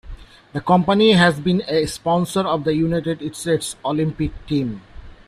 The company has been a sponsor of the United States Olympic Team.